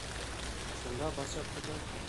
Шунда батша ҡыҙы: